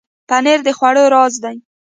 پنېر د خوړو راز دی.